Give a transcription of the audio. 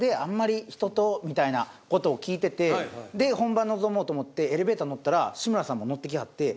みたいな事を聞いててで本番臨もうと思ってエレベーター乗ったら志村さんも乗ってきはって。